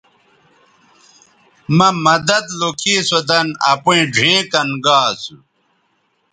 مہ مدد لوکھی سو دَن اپیئں ڙھیئں کَن گا اسو